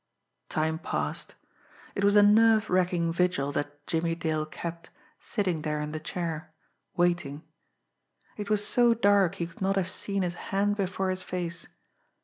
Time passed. It was a nerve racking vigil that Jimmie Dale kept, sitting there in the chair waiting. It was so dark he could not have seen his hand before his face.